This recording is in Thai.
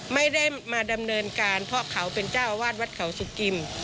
ไม่ได้มาดำเนินการเพราะเขาเป็นเจ้าอาวาสวัดเขาสุกิม